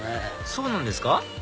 そうなんですか？